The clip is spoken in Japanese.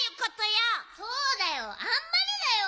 そうだよあんまりだよ！